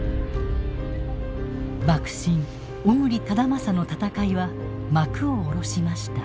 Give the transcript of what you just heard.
幕臣小栗忠順の戦いは幕を下ろしました。